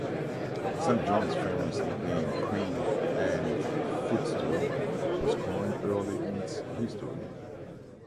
Saint John's famous nickname 'Queen Anne's Footstool' was coined early in its history.